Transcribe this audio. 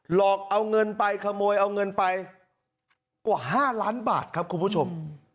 หลอกเอาเงินไปขโมยเอาเงินไปกว่า๕ล้านบาทครับคุณผู้ชม